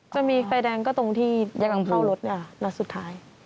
จะมีไฟแดงก็ตรงที่ยังเข้ารถนัดสุดท้าย